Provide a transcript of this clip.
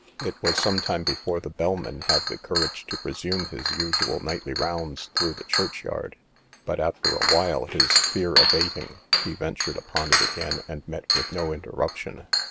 It was some time before the bellman had the courage to resume his usual nightly rounds through the church yard; but after a while, his fear abating, he ventured upon it again, and met with no interruption.